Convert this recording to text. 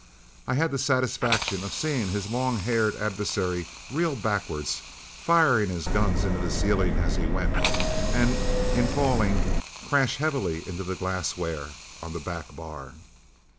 I had the satisfaction of seeing his long haired adversary reel backwards, firing his guns into the ceiling as he went, and in falling crash heavily into the glassware on the back bar.